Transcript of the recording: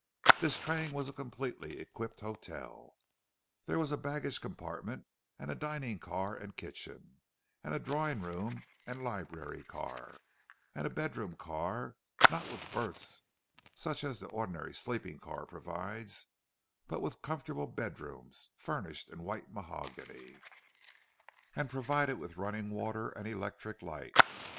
This train was a completely equipped hotel. There was a baggage compartment and a dining car and kitchen; and a drawing room and library car; and a bedroom car—not with berths, such as the ordinary sleeping car provides, but with comfortable bedrooms, furnished in white mahogany, and provided with running water and electric light.